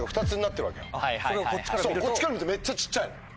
こっちから見るとめっちゃ小っちゃいの。